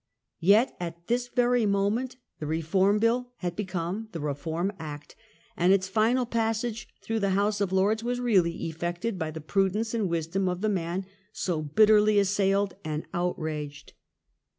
Yet at this very moment the Reform Bill had become the Eeform Act, and its final passage through the House of Lords was really effected by the prudence and wisdom of the man so bitterly assailed and outraged.